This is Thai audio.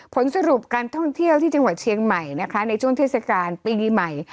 ผลสรุปการท่องเที่ยวที่จังหวัดเชียงใหม่นะคะในช่วงเทศกาลปีใหม่